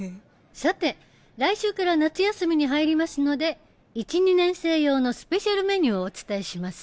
さて来週から夏休みに入りますので１２年生用のスペシャルメニューをお伝えします。